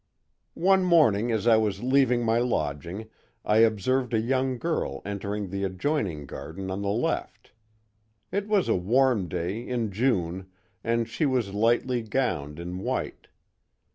"One morning as I was leaving my lodging I observed a young girl entering the adjoining garden on the left. It was a warm day in June, and she was lightly gowned in white.